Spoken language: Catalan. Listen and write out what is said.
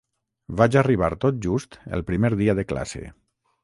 Vaig arribar tot just el primer dia de classe.